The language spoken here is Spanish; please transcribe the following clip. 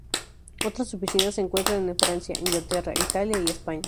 Otras oficinas se encuentran en Francia, Inglaterra, Italia y España.